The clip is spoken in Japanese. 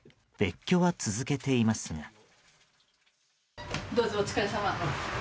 別居は続けていますが。